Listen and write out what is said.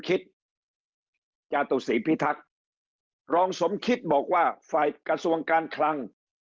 จาตุศรีพิทักษ์รองสมคิดบอกว่าฝ่ายกระทรวงการคลัง